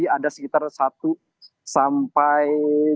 ada sekitar satu sampai